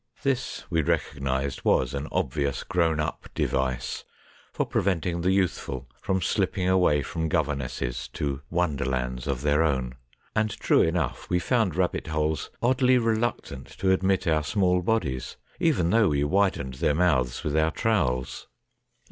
This, we recognised, was an obvious grown up device for preventing the youthful from slipping away from governesses to wonderlands of their own, and true enough we found rabbit holes oddly reluctant to admit our small bodies, even though we widened their mouths with our trowels.